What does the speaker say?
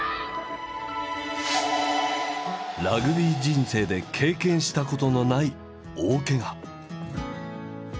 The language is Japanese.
ラグビー人生で経験したことのない大けが。